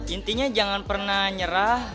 intinya jangan pernah nyerah